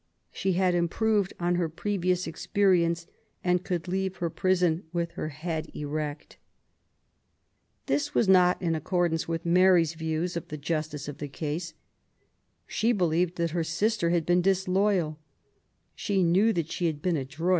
She had improved on her previous experience and could leave her prison, with her head erect. This was not in accordance with Mary's views of the justice of the case. She believed that her sister had been disloyal ; she knew that she had been adroit.